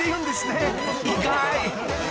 ［意外］